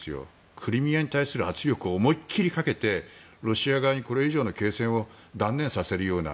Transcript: クリミアに対する圧力を思いきりかけてロシア側に、これ以上の形勢を断念させるような。